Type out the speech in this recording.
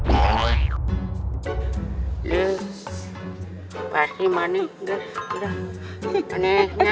ini pasti suara perkelahian